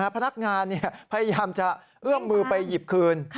พนักงานพยายามจะเอื้อมมือไปหยิบคืน